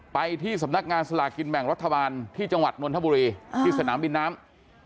ไปที่สำนักงานสลากินแบ่งรัฐบาลที่จังหวัดนนทบุรีที่สนามบินน้ำ